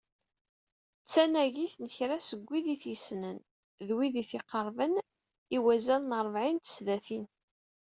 D tnagit n kra seg wid i t-yessnen d wid i t-iqerben i wazal n rebεin n tesdatin.